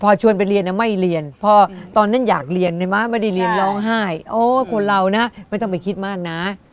พอชวนไปเรียนไม่เรียนพอตอนนั้นอยากเรียนในม้าไม่ได้เรียนร้องไห้โอ้คนเรานะไม่ต้องไปคิดมากนะ